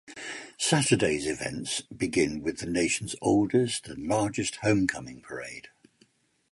Saturday's events begin with the Nation's oldest and largest Homecoming Parade.